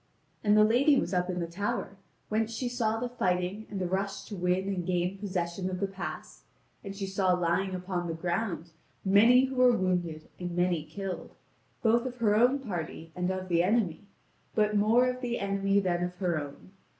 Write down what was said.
And the lady was up in the tower, whence she saw the fighting and the rush to win and gain possession of the pass, and she saw lying upon the ground many who were wounded and many killed, both of her own party and of the enemy, but more of the enemy than of her own.